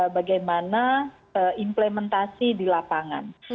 bagaimana implementasi di lapangan